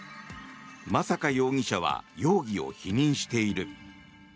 真坂容疑者は容疑を否認している。